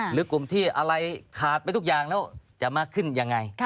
หรือกลุ่มที่อะไรขาดไปทุกอย่างแล้วจะมากขึ้นยังไง